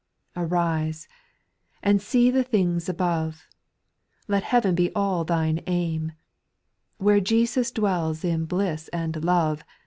Arise, and see the things above ; Let heaven be all thine aim, Where Jesus dwells in bliss and love.